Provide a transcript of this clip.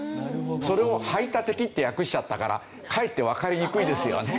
それを排他的って訳しちゃったからかえってわかりにくいですよね。